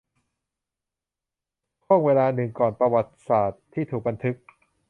ช่วงเวลาหนึ่งก่อนประวัติศาสตร์ที่ถูกบันทึก